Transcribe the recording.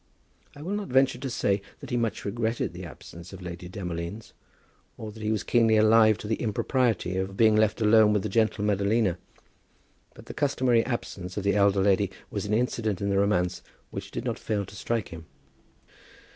I will not venture to say that he much regretted the absence of Lady Demolines, or that he was keenly alive to the impropriety of being left alone with the gentle Madalina; but the customary absence of the elder lady was an incident in the romance which did not fail to strike him.